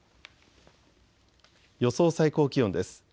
予想最高気温です。